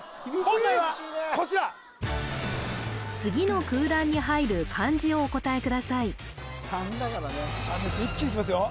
問題はこちら次の空欄に入る漢字をお答えください